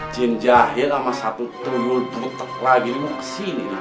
jin jahil sama satu tuyul putek lagi ini mau kesini nak